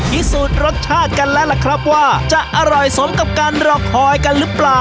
พิสูจน์รสชาติกันแล้วล่ะครับว่าจะอร่อยสมกับการรอคอยกันหรือเปล่า